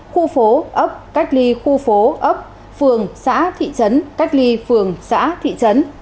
khu phố ấp cách ly khu phố ấp phường xã thị trấn cách ly phường xã thị trấn